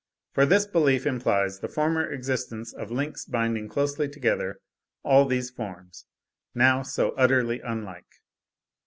For this belief implies the former existence of links binding closely together all these forms, now so utterly unlike.